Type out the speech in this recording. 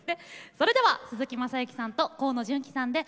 それでは鈴木雅之さんと河野純喜さんで「恋人」。